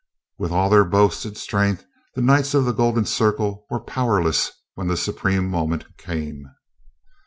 With all their boasted strength, the Knights of the Golden Circle were powerless when the supreme moment came.